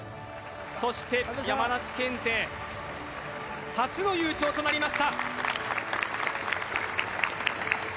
そして山梨県勢初の優勝となりました。